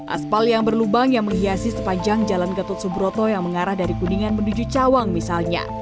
aspal yang berlubang yang menghiasi sepanjang jalan gatot subroto yang mengarah dari kuningan menuju cawang misalnya